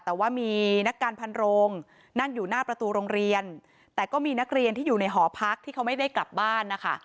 แต่ว่ามีนักการพันโรงนั่งอยู่หน้าประตูโรงเรียนแต่ก็มีนักเรียนที่อยู่ในหอพักที่เขาไม่ได้กลับบ้านนะคะ